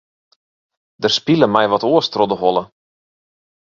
Der spile my wat oars troch de holle.